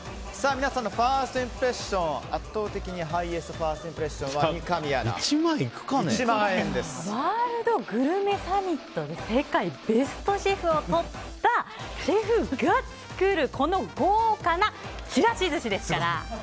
皆さんのファーストインプレッション圧倒的にハイエストファーストインプレッションはワールドグルメサミットで世界ベストシェフをとったシェフが作る、この豪華なちらし寿司ですから。